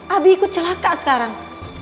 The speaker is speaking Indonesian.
abi ikut celaka sekarang